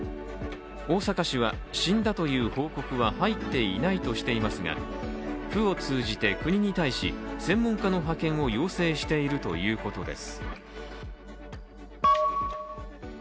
大阪市は、死んだという報告は入っていないとしていますが府を通じて国に対し、専門家の派遣を要請しているということです。